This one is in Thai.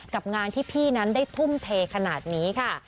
กับงานที่พี่นั้นได้ทุ่มเทขนาดนี้ค่ะ